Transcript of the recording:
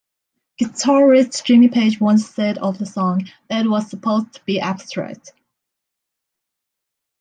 Guitarist Jimmy Page once said of the song: It was supposed to be abstract.